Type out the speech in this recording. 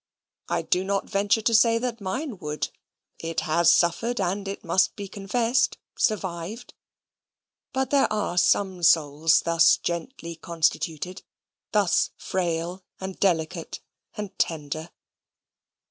I do not venture to say that mine would; it has suffered, and, it must be confessed, survived. But there are some souls thus gently constituted, thus frail, and delicate, and tender.